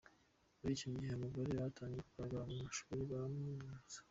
Muri icyo gihe, abagore batangiye kugaragara mu mashuri baraminuza.